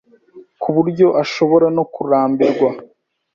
ku buryo ashobora no kurambirwa